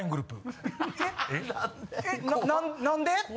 何で？